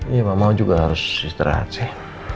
iya mau juga harus istirahat sih